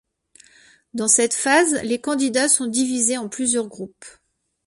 Dans cette phase, les candidats sont divisés en plusieurs groupes.